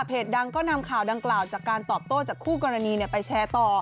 ดังก็นำข่าวดังกล่าวจากการตอบโต้จากคู่กรณีไปแชร์ต่อ